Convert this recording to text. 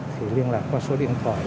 thì liên lạc qua số điện thoại